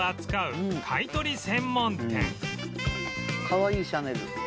「かわいいシャネル」